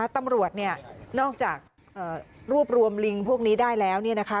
ตำรวจเนี่ยนอกจากรูปรวมลิงพวกนี้ได้แล้วนะคะ